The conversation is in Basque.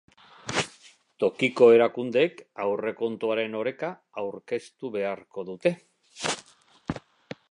Tokiko erakundeek aurrekontuaren oreka aurkeztu beharko dute.